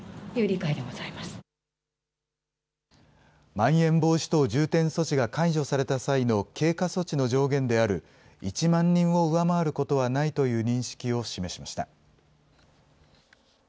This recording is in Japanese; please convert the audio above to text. まん延防止等重点措置が解除された際の経過措置の上限である、１万人を上回ることはないという認識を示しました。